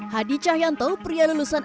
hadi cahyanto pria lulusan